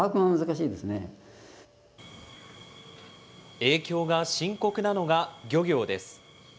影響が深刻なのが漁業です。